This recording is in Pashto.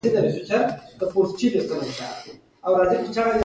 د شوروي پراخېدونکی اقتصاد به ډېر ژر نړۍ ونیسي.